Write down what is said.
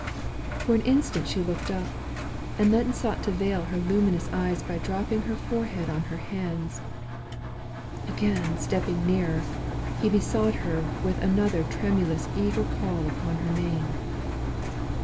For an instant she looked up; and then sought to veil her luminous eyes by dropping her forehead on her hands. Again, stepping nearer, he besought her with another tremulous eager call upon her name.